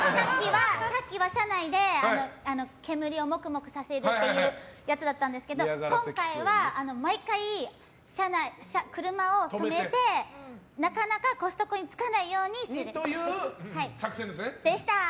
さっきは車内で煙をもくもくさせるってやつだったんですけど今回は毎回、車を止めてなかなかコストコに着かないようにする。